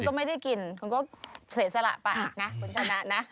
ถ้าคุณไม่ได้กินคุณก็เสร็จสละป่ะนะคุณชนะนะ